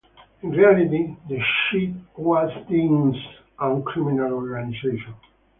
In reality, "The Shed" was Dean's own criminal organization.